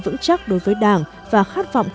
vững chắc đối với đảng và khát vọng